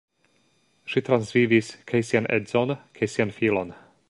Ŝi transvivis kaj sian edzon kaj sian filon.